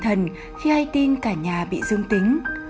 y tế bần thần khi ai tin cả nhà bị dương tính